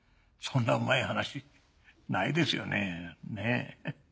そんなうまい話ないですよねねぇ。